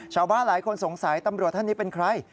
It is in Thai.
ชาวบ้านหลายคนสงสัยตำรวจท่านนี้เป็นใคร